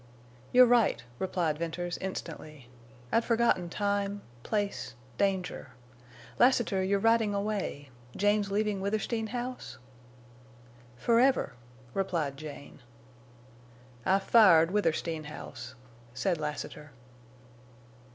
"You're right," replied Venters, instantly. "I'd forgotten time—place—danger. Lassiter, you're riding away. Jane's leaving Withersteen House?" "Forever," replied Jane. "I fired Withersteen House," said Lassiter.